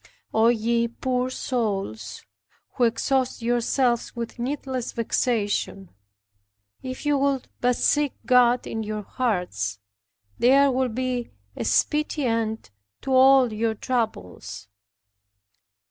O ye poor souls, who exhaust yourselves with needless vexation, if you would but seek God in your hearts, there would be a speedy end to all your troubles.